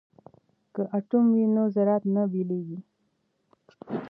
که اټوم وي نو ذرات نه بېلیږي.